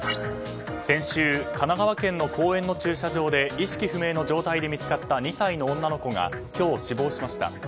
先週、神奈川県の公園の駐車場で意識不明の状態で見つかった２歳の女の子が今日、死亡しました。